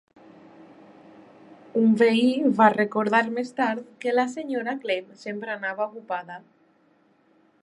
Un veí va recordar més tard que la sra. Clemm sempre anava ocupada.